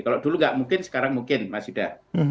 kalau dulu nggak mungkin sekarang mungkin mas yuda